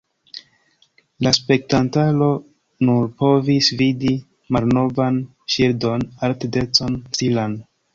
La spektantaro nur povis vidi malnovan ŝildon Art-Deco-stilan.